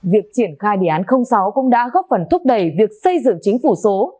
việc triển khai đề án sáu cũng đã góp phần thúc đẩy việc xây dựng chính phủ số